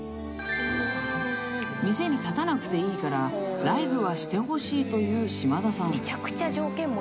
［店に立たなくていいからライブはしてほしいという嶋田さん］